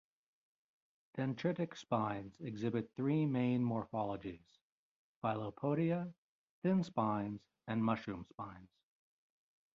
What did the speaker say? Dendritic spines exhibit three main morphologies: filopodia, thin spines, and mushroom spines.